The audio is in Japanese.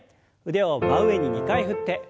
腕を真上に２回振って。